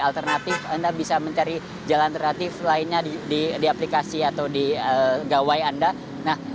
alternatif anda bisa mencari jalan alternatif lainnya di aplikasi atau di gawai anda nah